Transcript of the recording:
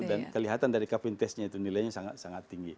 dan kelihatan dari cup and taste nya itu nilainya sangat sangat tinggi